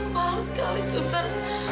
pahal sekali sustar